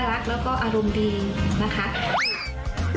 ที่น่ารักแล้วก็อารมณ์ดีนะครับ